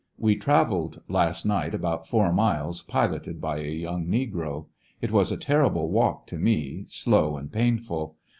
We traveled last night about four miles, piloted by a young negro. It was a terrible walk to me; slow and painful.